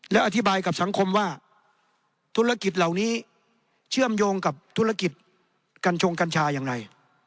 และอธิบายกับสังคมว่าธุรกิจเหล่านี้เชื่อมโยงกับธุรกิจกัญชงกัญชาอย่างไร